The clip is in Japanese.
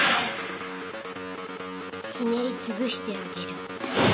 ひねりつぶしてあげる。